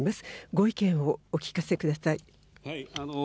ご意見をお聞かせください。